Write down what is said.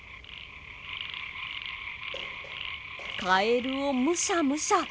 カエルをむしゃむしゃ。